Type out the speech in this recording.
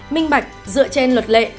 minh bạch dựa trên luật lệ